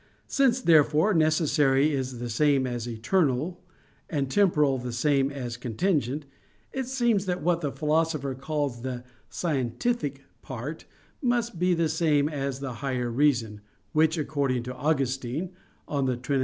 Since, therefore, necessary is the same as eternal, and temporal the same as contingent, it seems that what the Philosopher calls the "scientific" part must be the same as the higher reason, which, according to Augustine (De Trin.